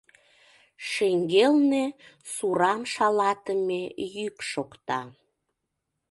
Шеҥгелне сурам шалатыме йӱк шокта.